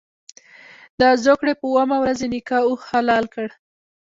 د زوکړ ې په اوومه ورځ یې نیکه اوښ حلال کړ.